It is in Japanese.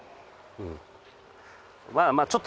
うん。